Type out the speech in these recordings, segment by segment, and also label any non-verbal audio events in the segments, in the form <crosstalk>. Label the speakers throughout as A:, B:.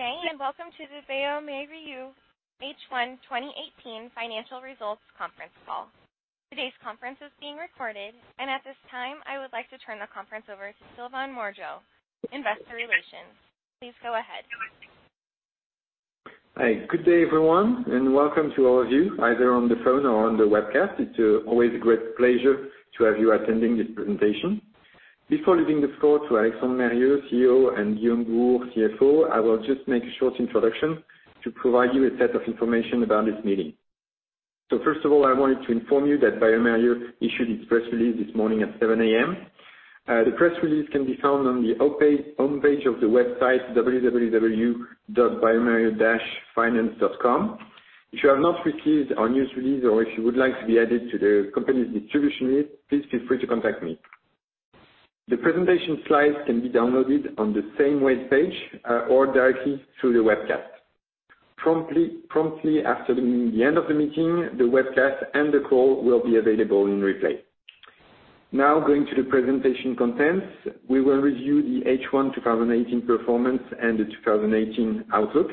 A: Good day, welcome to the bioMérieux H1 2018 financial results conference call. Today's conference is being recorded. At this time, I would like to turn the conference over to Sylvain Morgeau, investor relations. Please go ahead.
B: Hi. Good day, everyone, welcome to all of you either on the phone or on the webcast. It's always a great pleasure to have you attending this presentation. Before leaving the call to Alexandre Mérieux, CEO, and Guillaume Bouhours, CFO, I will just make a short introduction to provide you a set of information about this meeting. First of all, I wanted to inform you that bioMérieux issued its press release this morning at 7:00 A.M. The press release can be found on the homepage of the website, www.biomerieux.com. If you have not received our news release or if you would like to be added to the company's distribution list, please feel free to contact me. The presentation slides can be downloaded on the same webpage or directly through the webcast. Promptly after the end of the meeting, the webcast and the call will be available in replay. Now, going to the presentation contents. We will review the H1 2018 performance and the 2018 outlook.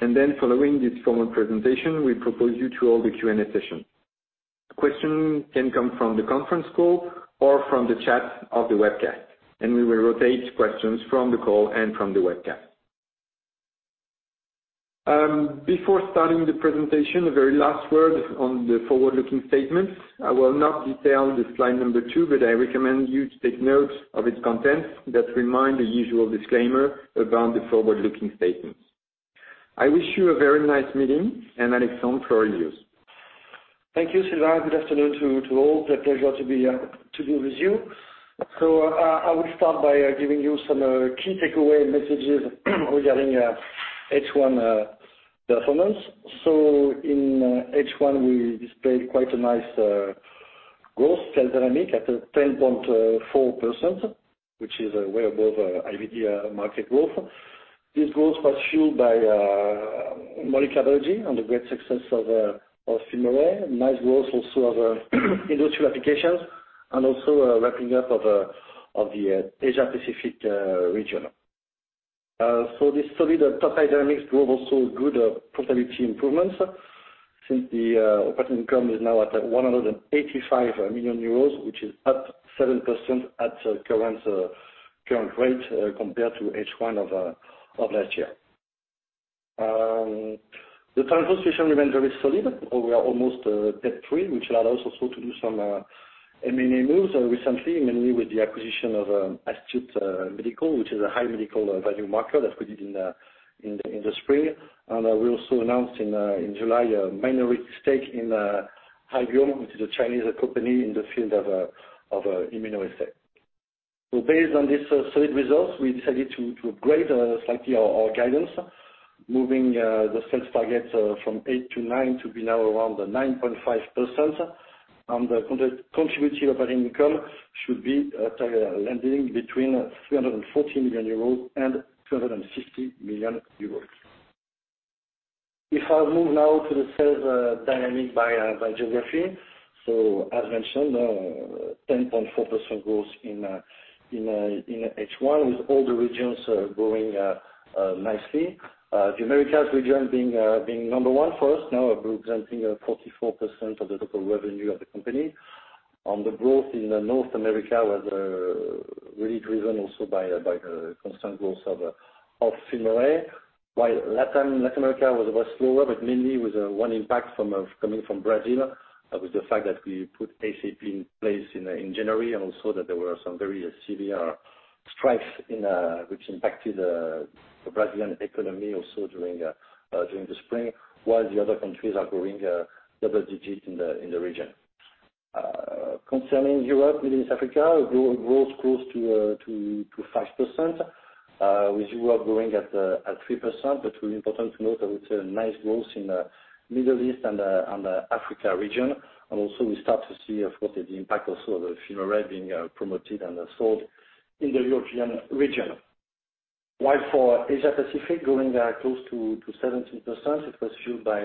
B: Following this formal presentation, we propose you to hold the Q&A session. Questions can come from the conference call or from the chat of the webcast. We will rotate questions from the call and from the webcast. Before starting the presentation, a very last word on the forward-looking statements. I will not detail the slide number two, I recommend you to take note of its contents that remind the usual disclaimer about the forward-looking statements. I wish you a very nice meeting, Alexandre, floor is yours.
C: Thank you, Sylvain. Good afternoon to all. A pleasure to be with you. I will start by giving you some key takeaway messages regarding H1 performance. In H1, we displayed quite a nice growth sales dynamic at 10.4%, which is way above IVD market growth. This growth was fueled by molecular biology and the great success of FilmArray. Nice growth also of industrial applications and also a ramping up of the Asia-Pacific region. This solid top line dynamics drove also good profitability improvements since the operating income is now at 185 million euros, which is up 7% at current rate compared to H1 of last year. The financial position remains very solid. We are almost debt-free, which allowed us also to do some M&A moves recently, mainly with the acquisition of Astute Medical, which is a high medical value market that we did in the spring. We also announced in July a minority stake in Hybiome, which is a Chinese company in the field of immunoassays. Based on these solid results, we decided to upgrade slightly our guidance, moving the sales target from 8% to 9% to be now around 9.5%, and the contributed operating income should be landing between 340 million euros and 350 million euros. I move now to the sales dynamic by geography. As mentioned, 10.4% growth in H1, with all the regions growing nicely. The Americas region being number one for us now, representing 44% of the total revenue of the company. The growth in North America was really driven also by the constant growth of FilmArray. Latin America was slower, but mainly with one impact coming from Brazil, with the fact that we put ACP in place in January, and also that there were some very severe strikes, which impacted the Brazilian economy also during the spring, while the other countries are growing double-digits in the region. Concerning Europe, Middle East, Africa, growth close to 5%, with Europe growing at 3%, but important to note that it's a nice growth in the Middle East and Africa region. Also we start to see, of course, the impact also of FilmArray being promoted and sold in the European region. For Asia-Pacific, growing close to 17%, it was fueled by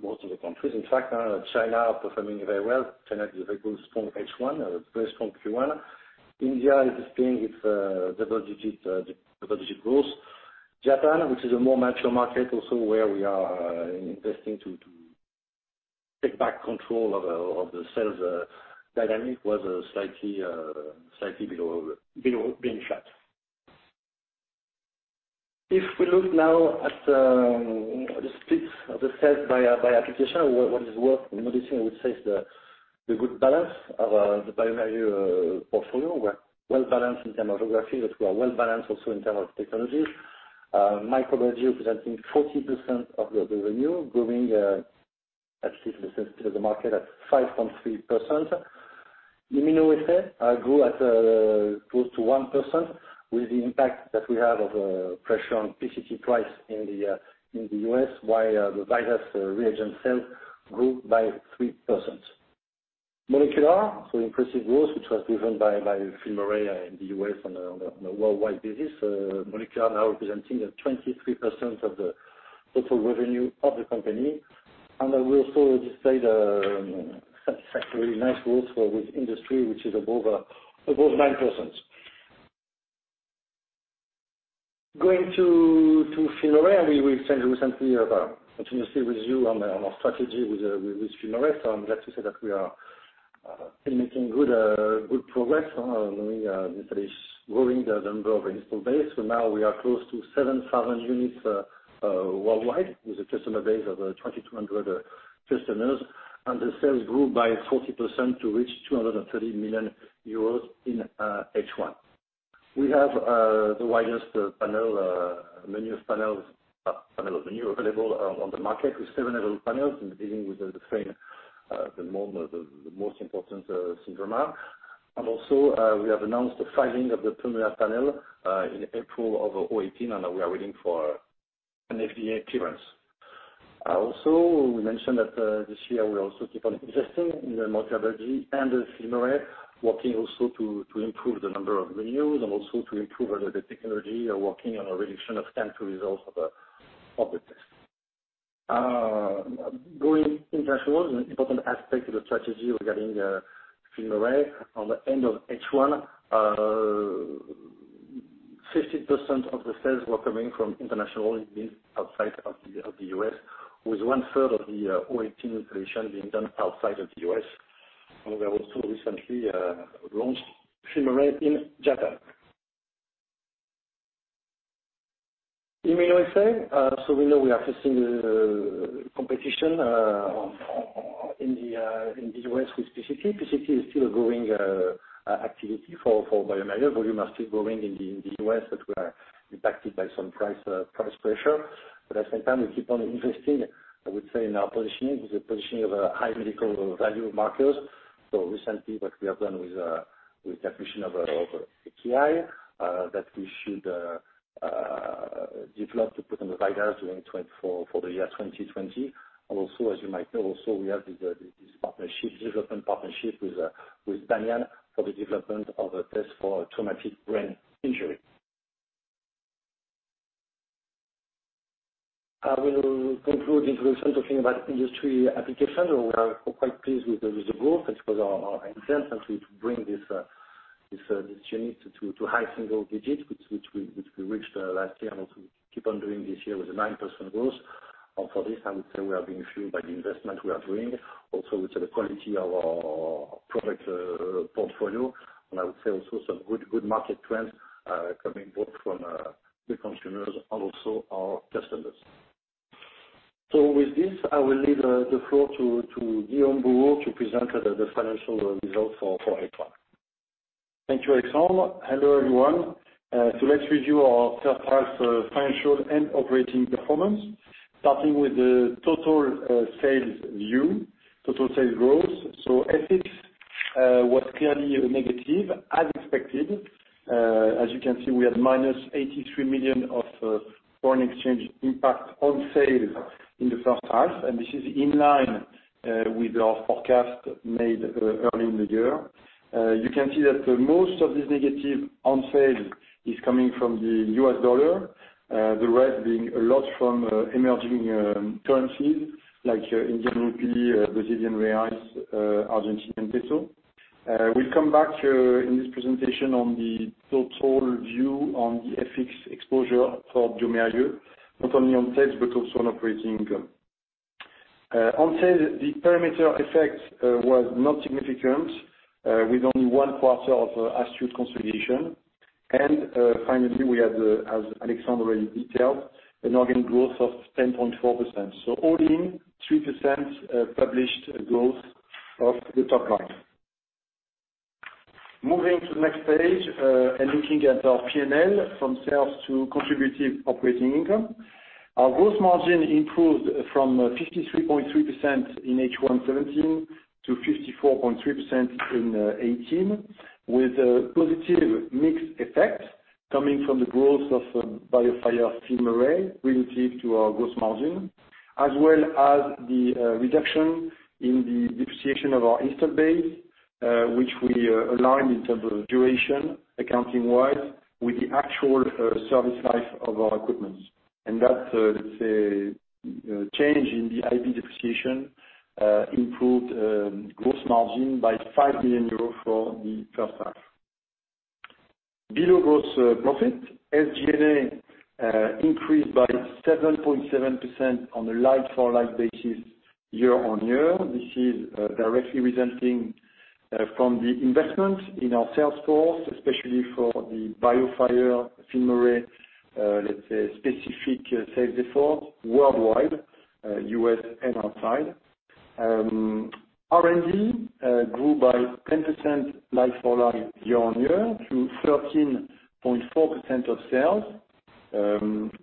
C: most of the countries. In fact, China are performing very well. China had a very strong H1, a very strong Q1. India is staying with double-digit growth. Japan, which is a more mature market also where we are investing to take back control of the sales dynamic, was slightly below, being flat. We look now at the split of the sales by application, what is worth noticing, I would say, is the good balance of the bioMérieux portfolio. We're well-balanced in terms of geography, but we are well-balanced also in terms of technology. Microbiology representing 40% of the revenue, growing at the market, at 5.3%. Immunoassays grew at close to 1% with the impact that we have of pressure on PCT price in the U.S., while the virus reagent sales grew by 3%. Molecular, so impressive growth, which was driven by FilmArray in the U.S. on a worldwide basis. Molecular now representing 23% of the total revenue of the company. I will also display the satisfactory, nice growth with industry, which is above 9%. Going to FilmArray. We've said recently about continuously review on our strategy with FilmArray. I'm glad to say that we are making good progress on growing the number of install base. Now we are close to 7,000 units worldwide, with a customer base of 2,200 customers, and the sales grew by 40% to reach 230 million euros in H1. We have the widest menu of panels available on the market with seven available panels, beginning with the most important, Syndromic. Also, we have announced the filing of the Pneumonia Panel, in April of 2018, and we are waiting for an FDA clearance. Also, we mentioned that this year we'll also keep on investing in the microbiology and the FilmArray, working also to improve the number of menus and also to improve the technology, working on a reduction of time to results of the test. Going international is an important aspect of the strategy regarding FilmArray. On the end of H1, 50% of the sales were coming from international business outside of the U.S., with one-third of the 2018 installation being done outside of the U.S. We also recently launched FilmArray in Japan. Immunoassay. We know we are facing competition in the U.S. with PCT. PCT is still a growing activity for bioMérieux. Volume are still growing in the U.S., but we are impacted by some price pressure. At the same time, we keep on investing, I would say, in our positioning, with the positioning of high medical value markers. Recently what we have done with acquisition of Astute, that we should develop to put on the roadmap for the year 2020. Also, as you might know, we have this development partnership with Banyan for the development of a test for traumatic brain injury. I will conclude introduction talking about industry application, where we are quite pleased with the growth. It was our intent actually to bring this unit to high single digits, which we reached last year, and also we keep on doing this year with a 9% growth. For this, I would say we are being fueled by the investment we are doing. Also with the quality of our product portfolio, and I would say also some good market trends, coming both from the consumers and also our customers. With this, I will leave the floor to Guillaume Bouhours to present the financial results for H1.
D: Thank you, Alexandre. Hello, everyone. Let's review our first half financial and operating performance, starting with the total sales view, total sales growth. FX was clearly negative as expected. As you can see, we had minus 83 million of foreign exchange impact on sales in the first half, and this is in line with our forecast made early in the year. You can see that most of this negative on sales is coming from the US dollar, the rest being a lot from emerging currencies, like Indian rupee, Brazilian reais, Argentine peso. We'll come back in this presentation on the total view on the FX exposure for bioMérieux, not only on sales but also on operating income. On sales, the perimeter effect was not significant, with only one quarter of Astute consolidation. Finally, we had, as Alexandre already detailed, an organic growth of 10.4%. All in, 3% published growth of the top line. Moving to the next page, and looking at our P&L from sales to contributed operating income. Our gross margin improved from 53.3% in H1 2017 to 54.3% in 2018, with a positive mix effect coming from the growth of BioFire FilmArray relative to our gross margin, as well as the reduction in the depreciation of our install base which we aligned in terms of duration, accounting-wise, with the actual service life of our equipments. That change in the IB depreciation improved gross margin by 5 million euros for the first half. Below gross profit, SG&A increased by 7.7% on a like-for-like basis year-on-year. This is directly resulting from the investment in our sales force, especially for the BioFire FilmArray specific sales effort worldwide, U.S. and outside. R&D grew by 10% like-for-like year-on-year to 13.4% of sales,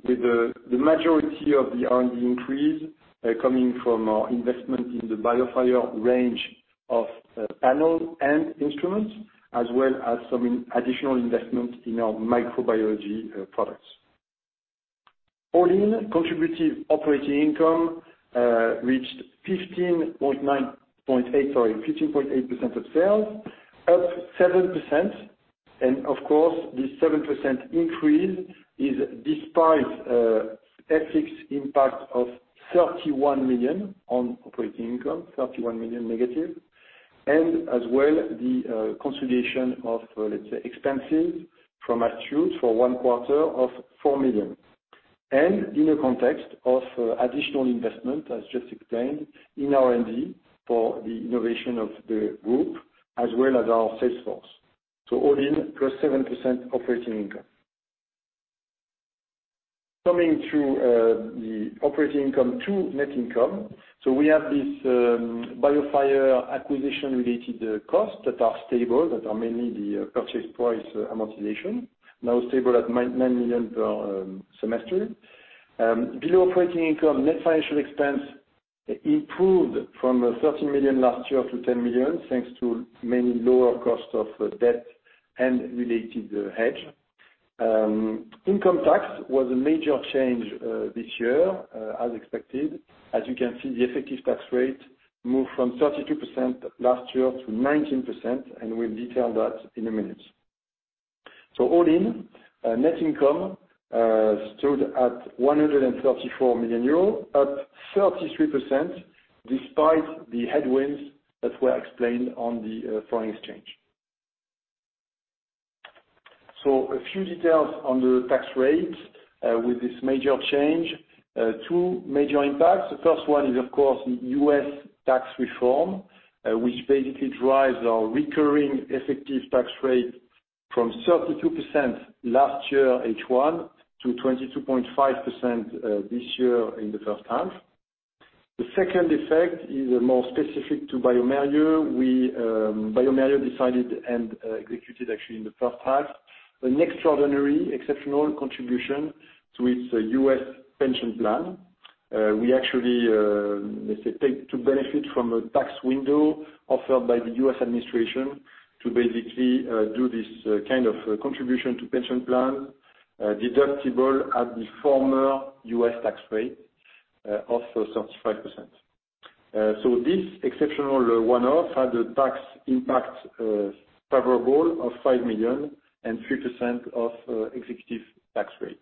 D: with the majority of the R&D increase coming from our investment in the BIOFIRE range of panels and instruments, as well as some additional investment in our microbiology products. All-in contributed operating income reached 15.8% of sales, up 7%. Of course, this 7% increase is despite FX impact of 31 million on operating income, 31 million negative, as well as the consolidation of, let's say, expenses from Astute for one quarter of 4 million. In a context of additional investment, as just explained, in R&D for the innovation of the group as well as our sales force. All in, plus 7% operating income. Coming to the operating income to net income. We have this BIOFIRE acquisition-related costs that are stable, that are mainly the purchase price amortization, now stable at 9 million per semester. Below operating income, net financial expense improved from 13 million last year to 10 million, thanks to mainly lower cost of debt and related hedge. Income tax was a major change this year, as expected. As you can see, the effective tax rate moved from 32% last year to 19%, and we will detail that in a minute. All in, net income stood at 134 million euros, up 33%, despite the headwinds that were explained on the foreign exchange. A few details on the tax rate with this major change. Two major impacts. The first one is, of course, the U.S. tax reform, which basically drives our recurring effective tax rate from 32% last year, H1, to 22.5% this year in the first half. The second effect is more specific to bioMérieux. bioMérieux decided and executed, actually, in the first half, an extraordinary exceptional contribution to its U.S. pensions plan. We actually take to benefit from a tax window offered by the U.S. administration to basically do this kind of contribution to pension plan, deductible at the former U.S. tax rate of 35%. This exceptional one-off had a tax impact favorable of 5 million and 3% of effective tax rate,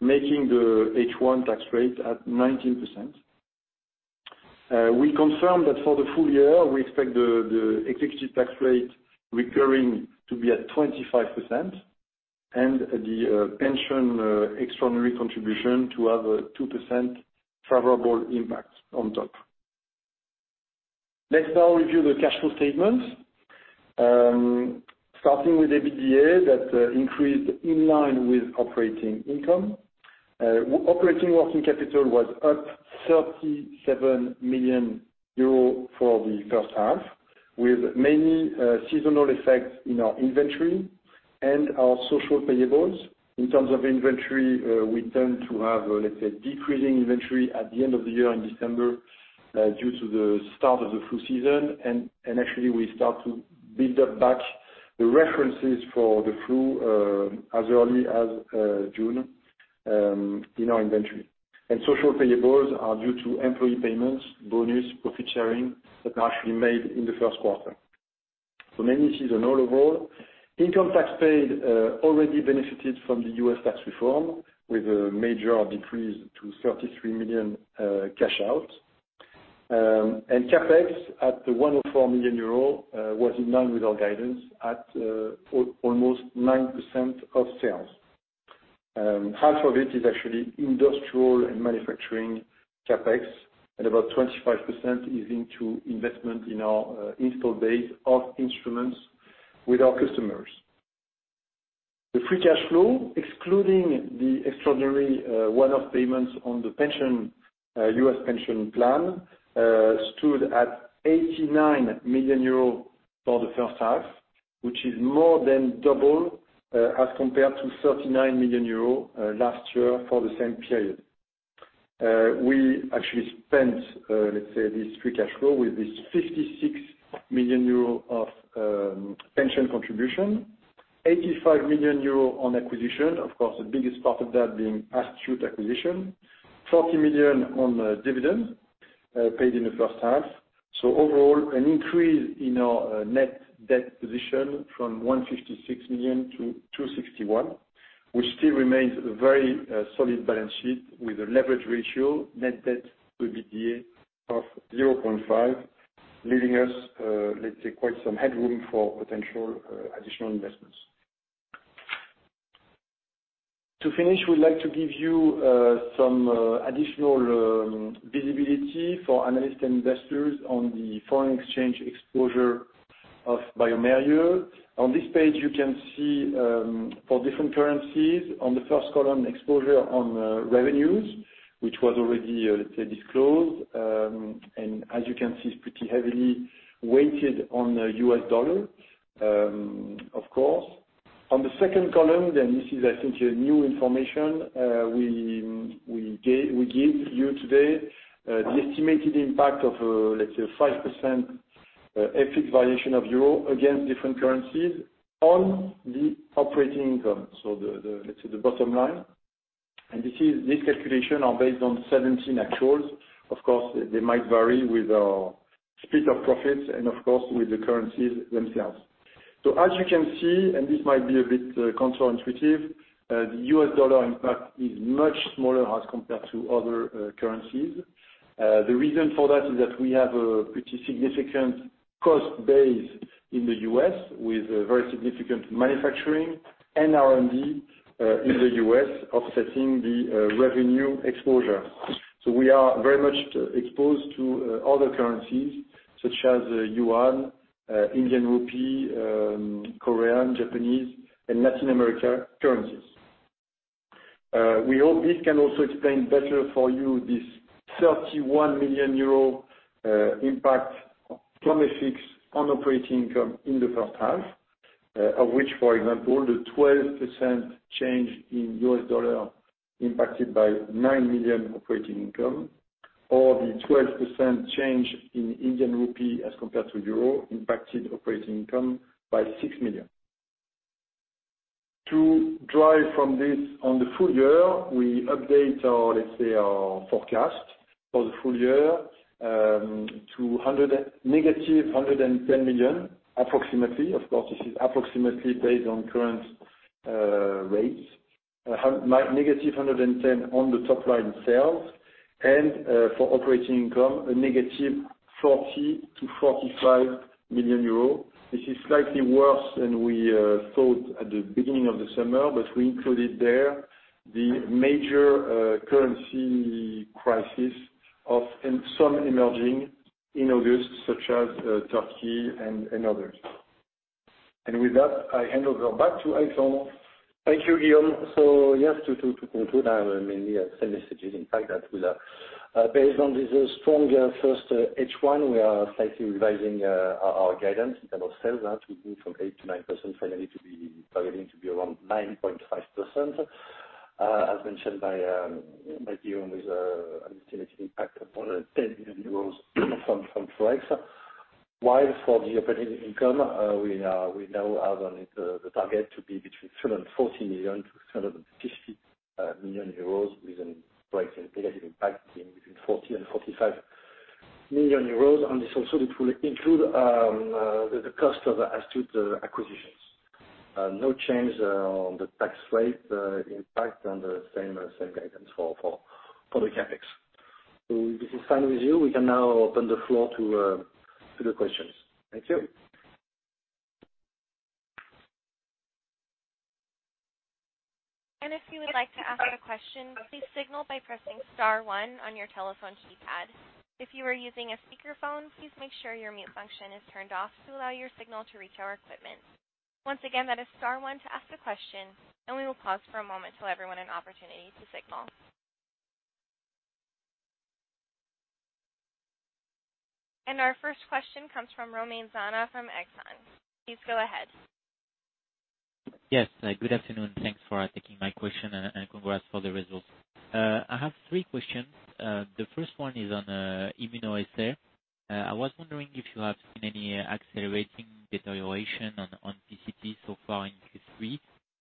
D: making the H1 tax rate at 19%. We confirm that for the full year, we expect the effective tax rate recurring to be at 25% and the pension extraordinary contribution to have a 2% favorable impact on top. Let's now review the cash flow statement. Starting with EBITDA, that increased in line with operating income. Operating working capital was up 37 million euro for the first half, with mainly seasonal effects in our inventory and our social payables. In terms of inventory, we tend to have, let's say, decreasing inventory at the end of the year in December due to the start of the flu season, actually, we start to build up back the references for the flu as early as June in our inventory. Social payables are due to employee payments, bonus, profit sharing, that are actually made in the first quarter. Mainly seasonal overall. Income tax paid already benefited from the U.S. tax reform with a major decrease to 33 million cash out. CapEx at 104 million euro was in line with our guidance at almost 9% of sales. Half of it is actually industrial and manufacturing CapEx, and about 25% is into investment in our install base of instruments with our customers. The free cash flow, excluding the extraordinary one-off payments on the U.S. pension plan, stood at 89 million euros for the first half, which is more than double as compared to 39 million euros last year for the same period. We actually spent, let's say, this free cash flow with this 56 million euro of pension contribution, 85 million euro on acquisition, of course, the biggest part of that being Astute acquisition, 40 million on dividends paid in the first half. Overall, an increase in our net debt position from 156 million to 261 million, which still remains a very solid balance sheet with a leverage ratio net debt to EBITDA of 0.5, leaving us, let's say, quite some headroom for potential additional investments. To finish, we'd like to give you some additional visibility for analysts and investors on the foreign exchange exposure of bioMérieux. On this page, you can see for different currencies on the first column, exposure on revenues, which was already, let's say, disclosed. As you can see, it's pretty heavily weighted on the U.S. dollar, of course. On the second column, this is, I think, a new information we give you today, the estimated impact of, let's say, 5% FX valuation of EUR against different currencies on the operating income, so let's say the bottom line. This calculation is based on 2017 actuals. Of course, they might vary with our split of profits and, of course, with the currencies themselves. As you can see, and this might be a bit counterintuitive, the U.S. dollar impact is much smaller as compared to other currencies. The reason for that is that we have a pretty significant cost base in the U.S., with very significant manufacturing and R&D in the U.S. offsetting the revenue exposure. We are very much exposed to other currencies such as Yuan, Indian Rupee, Korean, Japanese, and Latin American currencies. We hope this can also explain better for you this 31 million euro impact from FX on operating income in the first half, of which, for example, the 12% change in U.S. dollar impacted by 9 million operating income, or the 12% change in Indian Rupee as compared to EUR impacted operating income by 6 million. To drive from this on the full year, we update our, let's say, our forecast for the full year, to negative 110 million approximately. Of course, this is approximately based on current rates. Negative 110 million on the top line sales. For operating income, a negative 40 million to 45 million euros. This is slightly worse than we thought at the beginning of the summer, we included there the major currency crisis of, and some emerging in August, such as Turkey and others. With that, I hand over back to Alexandre.
C: Thank you, Guillaume. Yes, to conclude, I will mainly send messages in fact that will, based on this strong first H1, we are slightly revising our guidance in terms of sales, to move from 8%-9%, finally to be targeting to be around 9.5%. As mentioned by Guillaume, with an estimated impact of 110 million euros from Forex. While for the operating income, we now have the target to be between 340 million and 350 million euros within price and negative impact being between 40 million and 45 million euros. This also will include the cost of the Astute acquisitions. No change on the tax rate impact and the same guidance for the CapEx. This is final review. We can now open the floor to the questions. Thank you.
A: If you would like to ask a question, please signal by pressing star one on your telephone keypad. If you are using a speakerphone, please make sure your mute function is turned off to allow your signal to reach our equipment. Once again, that is star one to ask a question, and we will pause for a moment to allow everyone an opportunity to signal. Our first question comes from Romain Zana from Exane. Please go ahead.
E: Yes. Good afternoon. Thanks for taking my question, and congrats for the results. I have three questions. The first one is on immunoassay. I was wondering if you have seen any accelerating deterioration on PCT so far in Q3,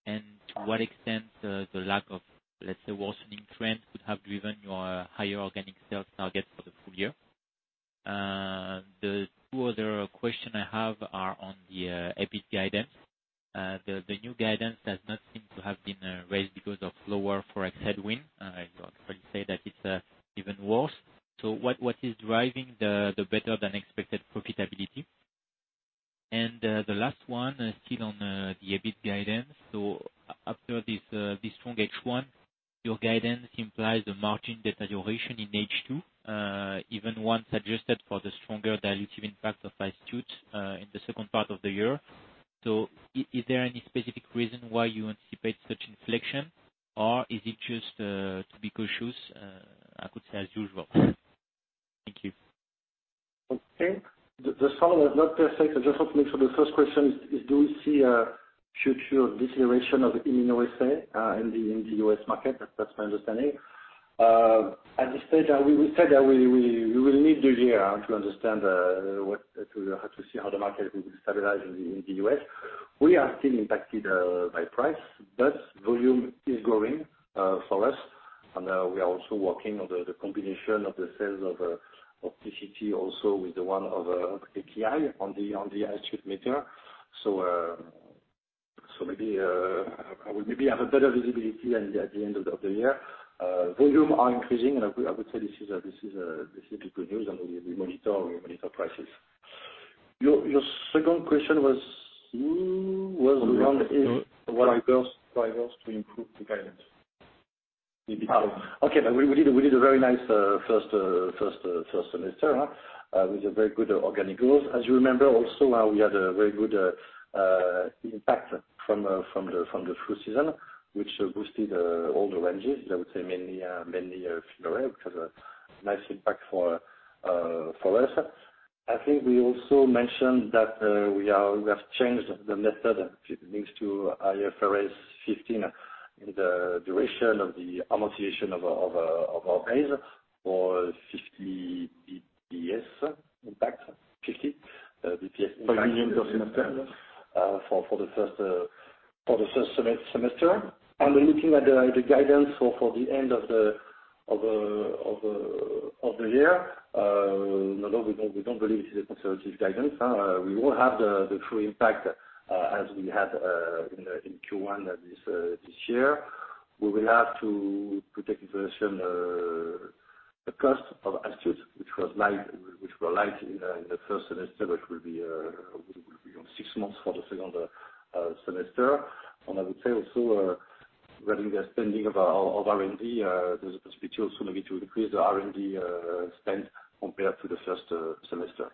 E: and to what extent the lack of, let's say, worsening trend could have driven your higher organic sales targets for the full year? The two other questions I have are on the EBIT guidance. The new guidance does not seem to have been raised because of lower Forex headwind. I would actually say that it's even worse. What is driving the better-than-expected profitability? The last one, still on the EBIT guidance. After this strong H1, your guidance implies a margin deterioration in H2, even once adjusted for the stronger dilutive impact of Astute in the second part of the year. Is there any specific reason why you anticipate such inflection, or is it just to be cautious, I could say, as usual? Thank you.
C: Okay. The phone was not perfect. I just want to make sure the first question is, do we see a future deterioration of the immunoassay in the U.S. market? That's my understanding. At this stage, we will say that we will need the year to understand what, to see how the market will stabilize in the U.S. We are still impacted by price, but volume is growing for us. We are also working on the combination of the sales of PCT also with the one of AKI on the Astute meter. Maybe I will have a better visibility at the end of the year. Volume are increasing, and I would say this is good news, and we monitor prices. Your second question was the one.
D: What are your drivers to improve the guidance?
C: Okay. We did a very nice first semester, with very good organic growth. As you remember also, we had a very good impact from the flu season, which boosted all the ranges. I would say mainly February, which has a nice impact for us. I think we also mentioned that we have changed the method thanks to IFRS 15 in the duration of the amortization of our base for 50 basis points impact.
D: EUR 5 million
C: For the first semester. We're looking at the guidance for the end of the year. Although we don't believe it is a conservative guidance. We will have the full impact as we had in Q1 this year. We will have to take into consideration the cost of Astute, which were light in the first semester, which will be six months for the second semester. I would say also regarding the spending of our R&D, there's a possibility also maybe to increase the R&D spend compared to the first semester.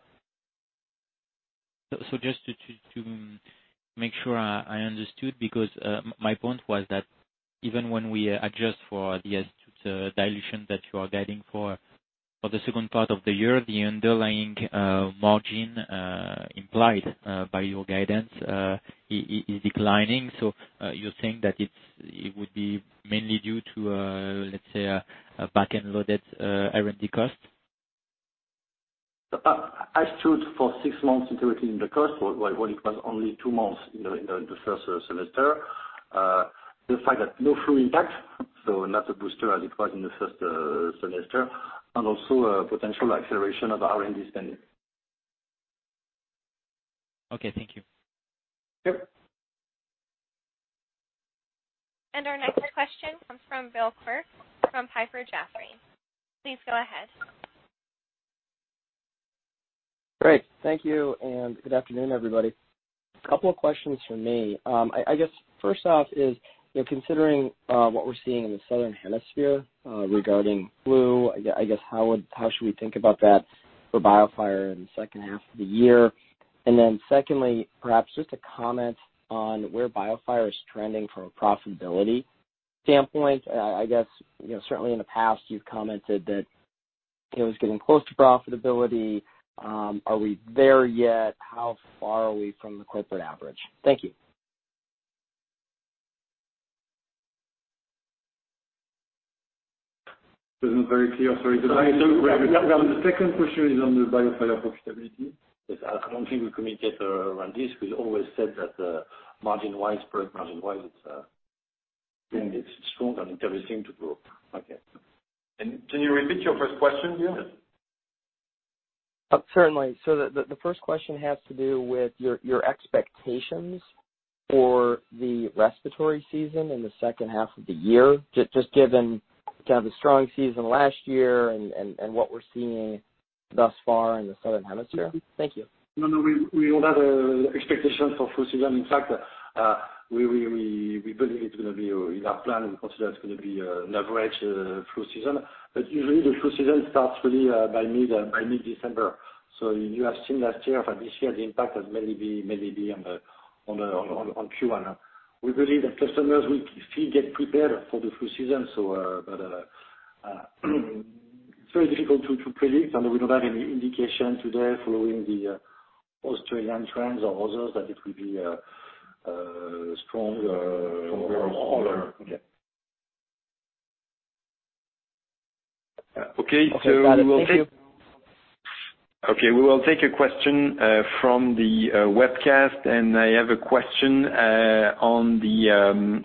E: Just to make sure I understood, because my point was that even when we adjust for the Astute dilution that you are guiding for the second part of the year, the underlying margin implied by your guidance is declining. You're saying that it would be mainly due to, let's say, a backend loaded R&D cost?
C: Astute for six months introducing the cost, while it was only two months in the first semester. The fact that no flu impact, so not a booster as it was in the first semester, and also a potential acceleration of R&D spending.
E: Okay. Thank you.
C: Yep.
A: Our next question comes from Bill Quirk from Piper Jaffray. Please go ahead.
F: Great. Thank you, and good afternoon, everybody. A couple of questions from me. I guess first off is, considering what we're seeing in the southern hemisphere regarding flu, I guess how should we think about that for BioFire in the second half of the year? Secondly, perhaps just to comment on where BioFire is trending from a profitability standpoint. I guess certainly in the past you've commented that it was getting close to profitability. Are we there yet? How far are we from the corporate average? Thank you.
C: It wasn't very clear. Sorry. The second question is on the BioFire profitability.
B: Yes. I don't think we communicate around this. We always said that margin-wise, profit margin-wise, it's strong and interesting to grow.
C: Okay. Can you repeat your first question, Bill?
F: Certainly. The first question has to do with your expectations for the respiratory season in the second half of the year, just given kind of the strong season last year and what we're seeing thus far in the southern hemisphere. Thank you.
C: No, we don't have an expectation for flu season. In fact, in our plan, we consider it's going to be an average flu season. Usually the flu season starts really by mid-December. You have seen last year, for this year, the impact has mainly been on Q1. We believe that customers will still get prepared for the flu season. It's very difficult to predict, and we don't have any indication today following the Australian trends or others, that it will be stronger or lower.
F: Okay, got it. Thank you.
B: Okay, we will take a question from the webcast. I have a question on the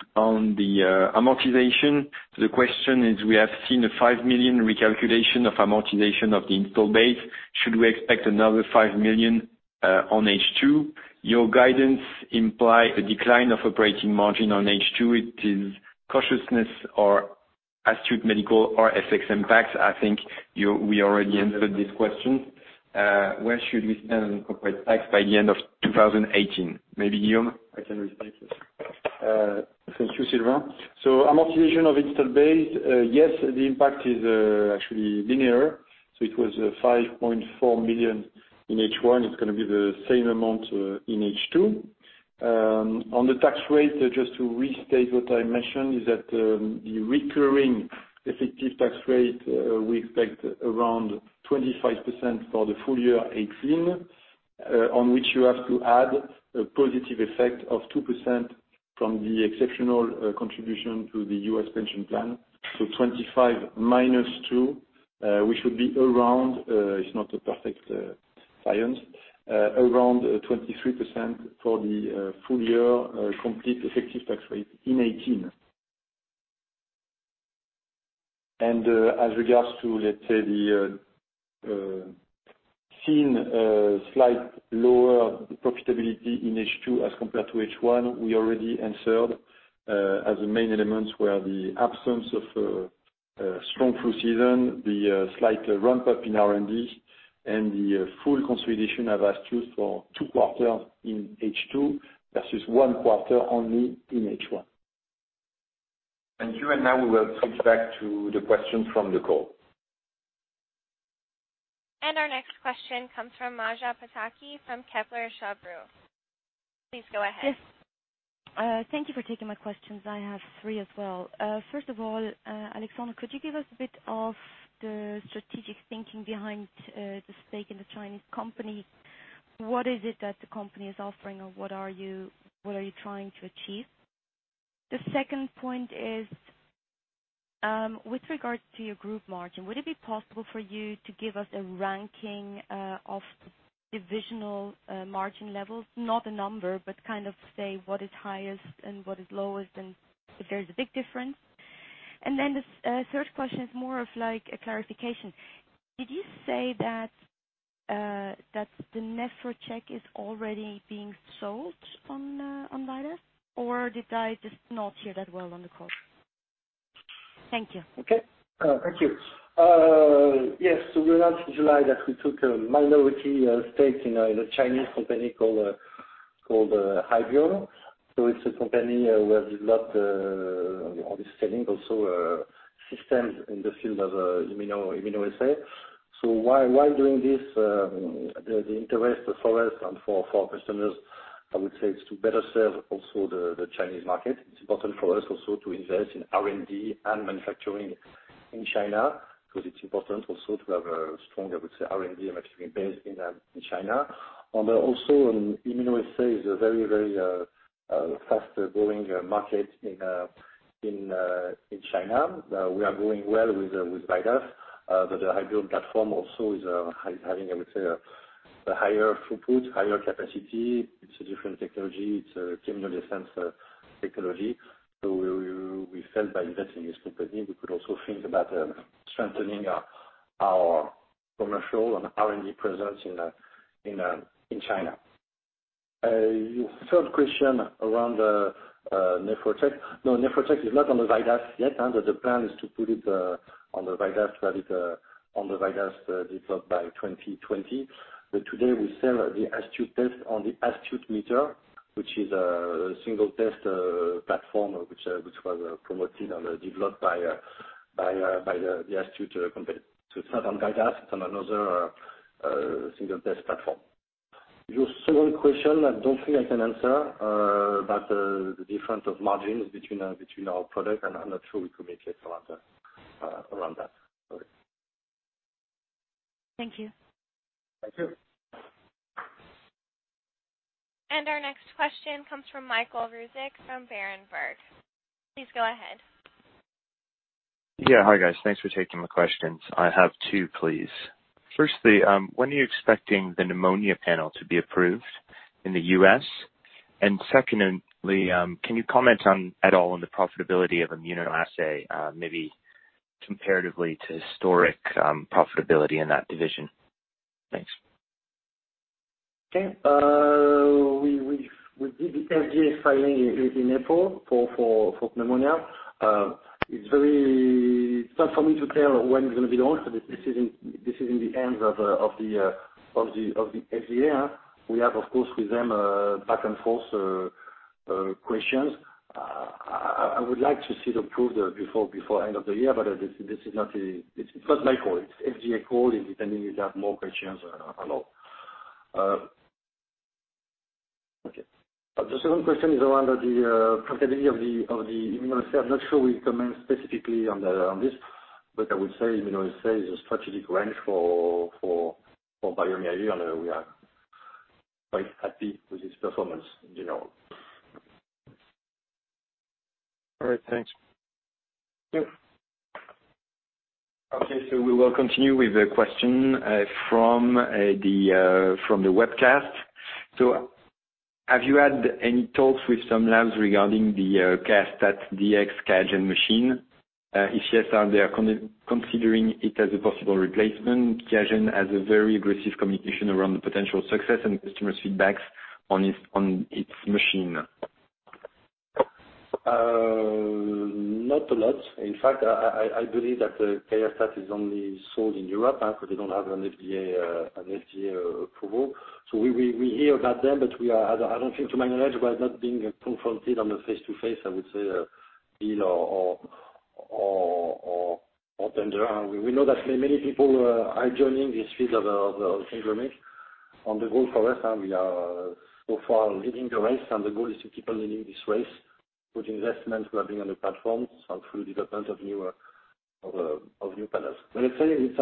B: amortization. The question is: We have seen a 5 million recalculation of amortization of the installed base. Should we expect another 5 million on H2? Your guidance implies a decline of operating margin on H2. It is cautiousness or Astute Medical or FX impacts. I think we already answered this question. Where should we stand on corporate tax by the end of 2018? Maybe Guillaume?
D: I can repeat this. Thank you, Sylvain. Amortization of installed base, yes, the impact is actually linear. It was 5.4 million in H1. It's going to be the same amount in H2. On the tax rate, just to restate what I mentioned, the recurring effective tax rate, we expect around 25% for the full year 2018, on which you have to add a positive effect of 2% from the exceptional contribution to the U.S. pension plan. 25 minus 2, which would be around, it's not a perfect science, around 23% for the full year complete effective tax rate in 2018. As regards to, let's say, the seen slight lower profitability in H2 as compared to H1, we already answered as the main elements were the absence of a strong flu season, the slight ramp-up in R&D, and the full consolidation of Astute for two quarters in H2 versus one quarter only in H1.
B: Thank you. Now we will switch back to the questions from the call.
A: Our next question comes from Maja Pataki from Kepler Cheuvreux. Please go ahead.
G: Yes. Thank you for taking my questions. I have three as well. First of all, Alexandre, could you give us a bit of the strategic thinking behind the stake in the Chinese company? What is it that the company is offering, or what are you trying to achieve? With regards to your group margin, would it be possible for you to give us a ranking of divisional margin levels? Not a number, but kind of say what is highest and what is lowest, and if there's a big difference. The third question is more of a clarification. Did you say that the NEPHROCHECK is already being sold on VIDAS, or did I just not hear that well on the call? Thank you.
C: Okay. Thank you. Yes. We announced in July that we took a minority stake in a Chinese company called Hybiome. It's a company where we developed all the scanning, also systems in the field of immunoassay. Why doing this? The interest for us and for our customers, I would say it's to better serve also the Chinese market. It's important for us also to invest in R&D and manufacturing in China, because it's important also to have a strong, I would say, R&D and manufacturing base in China. Immunoassays are a very fast-growing market in China. We are going well with VIDAS. The Hybiome platform also is having, I would say, a higher throughput, higher capacity. It's a different technology. It's a chemiluminescent technology. We felt by investing in this company, we could also think about strengthening our commercial and R&D presence in China. Your third question around the NEPHROCHECK. No, NEPHROCHECK is not on the VIDAS yet. The plan is to put it on the VIDAS product by 2020. Today we sell the Astute test on the Astute meter, which is a single test platform, which was promoted and developed by the Astute company. It's not on VIDAS, it's on another single test platform. Your second question, I don't think I can answer about the different margins between our products, and I'm not sure we communicate around that.
G: Thank you.
C: Thank you.
A: Our next question comes from Michael Ruzicka from Berenberg. Please go ahead.
H: Yeah. Hi, guys. Thanks for taking my questions. I have two, please. Firstly, when are you expecting the Pneumonia Panel to be approved in the U.S.? Secondly, can you comment at all on the profitability of immunoassay, maybe comparatively to historic profitability in that division? Thanks.
C: Okay. We did the FDA filing in April for pneumonia. It is tough for me to tell when it is going to be launched. This is in the hands of the FDA. We have, of course, with them back and forth questions. I would like to see the approval before end of the year, but it is not my call. It is FDA call, depending if they have more questions or not. Okay. The second question is around the profitability of the immunoassay. I am not sure we comment specifically on this, but I would say immunoassay is a strategic range for bioMérieux, and we are quite happy with its performance in general.
H: All right. Thanks.
C: Yep.
B: Okay, we will continue with a question from the webcast. Have you had any talks with some labs regarding the QIAstat-Dx QIAGEN machine? If yes, are they considering it as a possible replacement? QIAGEN has a very aggressive communication around the potential success and customer feedbacks on its machine.
C: Not a lot. In fact, I believe that the QIAstat-Dx is only sold in Europe, because they do not have an FDA approval. We hear about them, but I do not think, to my knowledge, we are not being confronted on a face-to-face, I would say, deal or tender. We know that many people are joining this field of syndromic. On the goal for us, we are so far leading the race, and the goal is to keep on leading this race with investments. We are building on the platforms and through development of new panels. Let us say it is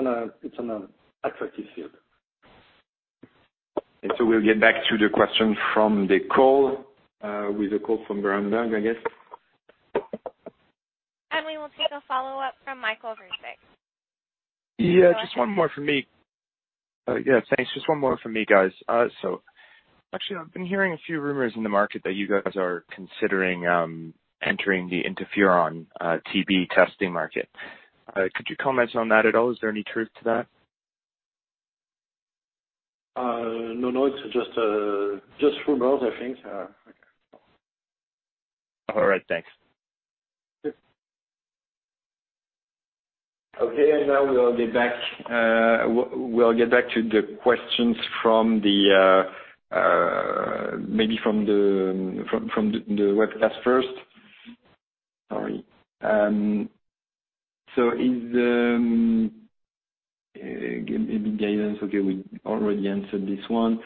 C: an attractive field.
B: We'll get back to the question from the call, with a call from Berenberg, I guess.
A: We will take a follow-up from Michael Ruzicka.
H: Yeah, just one more from me. Yeah, thanks. Just one more from me, guys. Actually, I've been hearing a few rumors in the market that you guys are considering entering the Interferon TB testing market. Could you comment on that at all? Is there any truth to that?
C: No. It's just rumors, I think.
H: All right. Thanks.
C: Sure.
B: Okay, now we'll get back to the questions, maybe from the webcast first. Sorry. Maybe guidance. Okay, we already answered this one.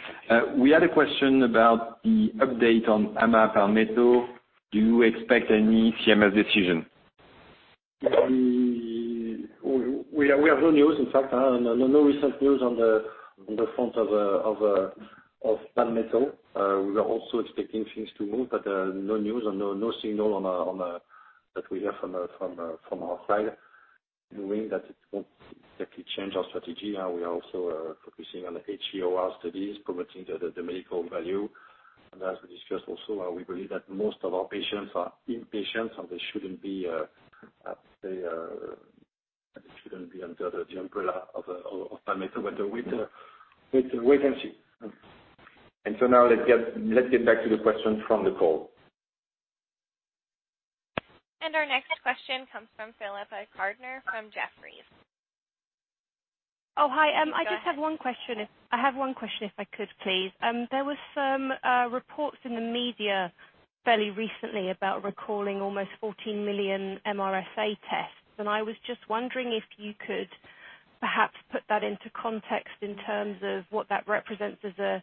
B: We had a question about the update on Palmetto. Do you expect any CMS decision?
C: We have no news. In fact, no recent news on the front of Palmetto. We are also expecting things to move, no news or no signal that we hear from our side. Knowing that it won't exactly change our strategy. We are also focusing on the HEOR studies promoting the medical value. As we discussed also, we believe that most of our patients are in-patients, they shouldn't be under the umbrella of Palmetto. Wait and see. Now let's get back to the questions from the call.
A: Our next question comes from Philippa Gardner from Jefferies.
I: Oh, hi.
A: Please go ahead.
I: I just have one question. I have one question, if I could, please. There were some reports in the media fairly recently about recalling almost 14 million MRSA tests. I was just wondering if you could perhaps put that into context in terms of what that represents as a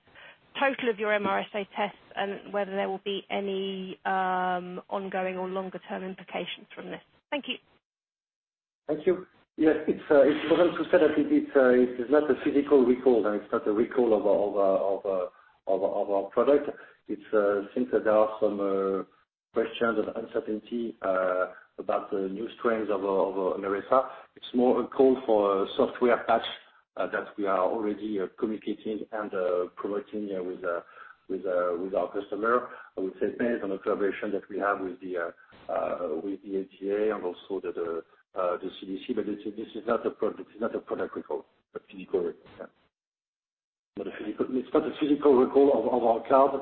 I: total of your MRSA tests and whether there will be any ongoing or longer-term implications from this. Thank you.
C: Thank you. Yes, it's important to say that it is not a physical recall. It's not a recall of our product. It's since there are some questions and uncertainty about the new strains of MRSA. It's more a call for a software patch that we are already communicating and promoting with our customer. I would say based on the collaboration that we have with the FDA and also the CDC. This is not a product recall, a physical recall. It's not a physical recall of our card.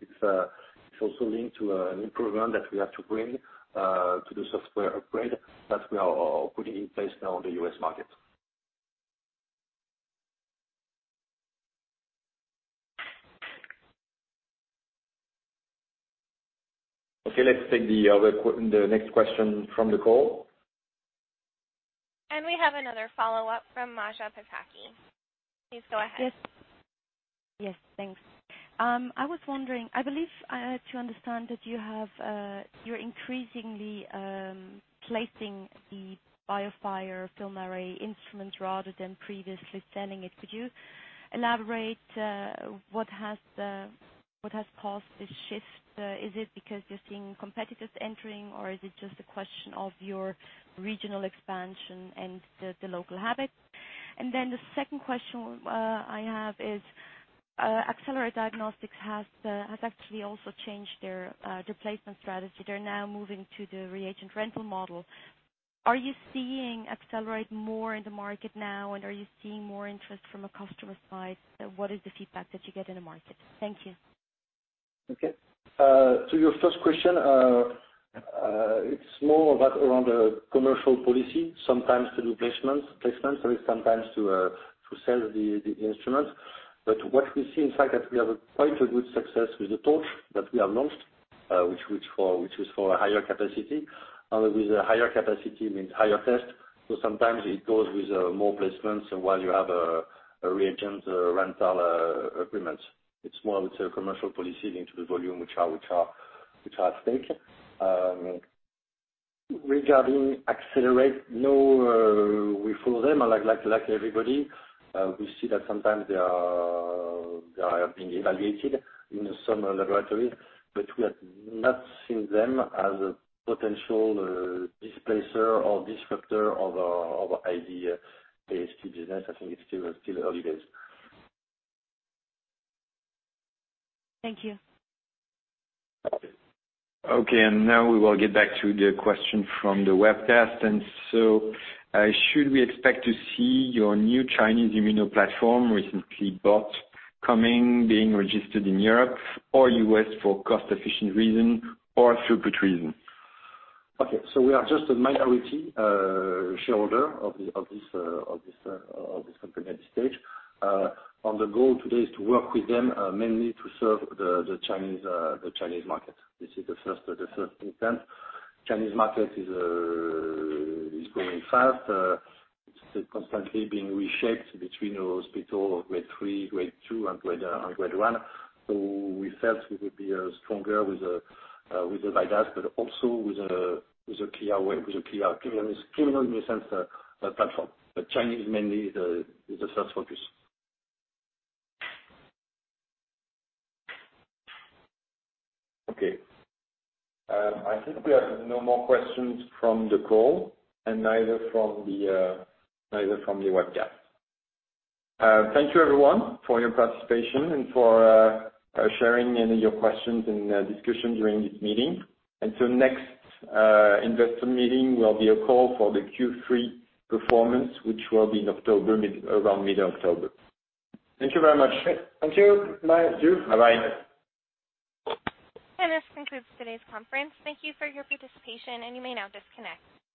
C: It's also linked to a new program that we have to bring to the software upgrade that we are putting in place now in the U.S. market.
B: Okay, let's take the next question from the call.
A: We have another follow-up from Maja Pataki. Please go ahead.
G: Yes. Thanks. I was wondering, I believe I heard you understand that you're increasingly placing the BIOFIRE FILMARRAY instrument rather than previously selling it. Could you elaborate, what has caused this shift? Is it because you're seeing competitors entering, or is it just a question of your regional expansion and the local habit? The second question I have is, Accelerate Diagnostics has actually also changed their placement strategy. They're now moving to the reagent rental model. Are you seeing Accelerate more in the market now, and are you seeing more interest from a customer side? What is the feedback that you get in the market? Thank you.
C: Okay. To your first question, it's more around the commercial policy. Sometimes to do placements, sometimes to sell the instruments. What we see, in fact, that we have quite a good success with the Torch that we have launched, which is for a higher capacity. With a higher capacity means higher test. Sometimes it goes with more placements while you have a reagent rental agreement. It's more of a commercial policy linked to the volume which are at stake. Regarding Accelerate, no, we follow them like everybody. We see that sometimes they are being evaluated in some laboratories, but we have not seen them as a potential displacer or disruptor of our IVD business. I think it's still early days.
G: Thank you.
B: Now we will get back to the question from the webcast. Should we expect to see your new Chinese immuno platform recently bought, being registered in Europe or U.S. for cost-efficient reason or throughput reason?
C: We are just a minority shareholder of this company at this stage. The goal today is to work with them mainly to serve the Chinese market. This is the first intent. Chinese market is growing fast. It's constantly being reshaped between hospital grade 3, grade 2, and grade 1. We felt we would be stronger with the <inaudible> but also with a clear immuno-based platform. Chinese mainly is the first focus.
B: I think we have no more questions from the call and neither from the webcast. Thank you, everyone, for your participation and for sharing your questions and discussion during this meeting. Next investor meeting will be a call for the Q3 performance, which will be in October, around mid-October. Thank you very much.
C: Thank you. Bye.
B: Bye-bye.
A: This concludes today's conference. Thank you for your participation, and you may now disconnect.